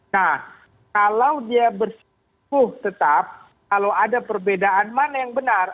nah kalau dia bersikuh tetap kalau ada perbedaan mana yang benar